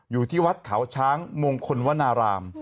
อยู่ที่วัดเขาช้างมงคลวนาราม